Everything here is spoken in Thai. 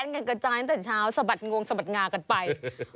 โอ้โหแดนส์กันกระจายตั้งแต่เช้าสะบัดงวงสะบัดงากันไป